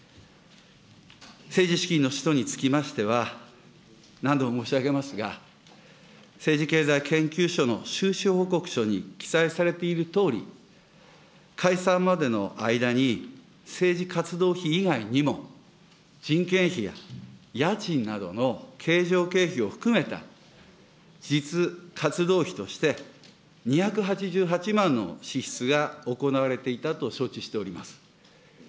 政治資金の使途につきましては、何度も申し上げますが、政治経済研究所の収支報告書に記載されているとおり、解散までの間に政治活動費以外にも、人件費や家賃などの経常経費を含めた実活動費として、２８８万の支出が行われていたと承知しております。